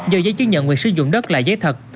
do giấy chứng nhận quyền sử dụng đất là giấy thật